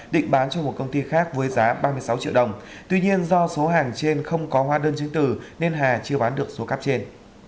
định bán cho một công ty khác với giá ba mươi sáu triệu đồng tuy nhiên do số hàng trên không có hóa đơn chứng từ nên hà chưa bán được số cáp trên